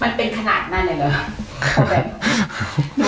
มันเป็นขนาดนั้นอย่างไรพูดแบบ